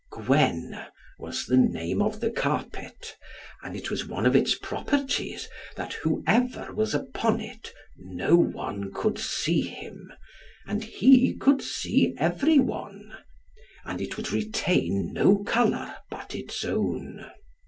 Gwenn was the name of the carpet, and it was one of its properties, that whoever was upon it no one could see him, and he could see every one. And it would retain no colour but its own.